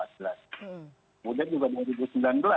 kemudian juga dua ribu sembilan belas